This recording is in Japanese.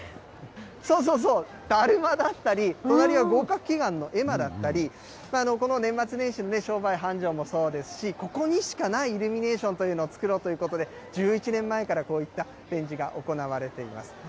そうそうそう、だるまだったり、隣は合格祈願の絵馬だったり、この年末年始の商売繁盛もそうですし、ここにしかないイルミネーションというのを作ろうということで、１１年前からこういった展示が行われています。